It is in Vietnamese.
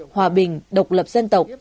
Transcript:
hòa bình độc lập dân tộc